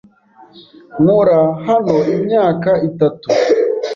Nkora hano imyaka itatu.